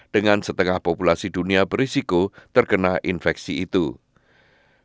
dengan setengah populasi dunia berisiko terkena infeksi demam berdarah